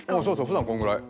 ふだんこんぐらい。